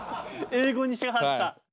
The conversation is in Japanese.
英語にしはった。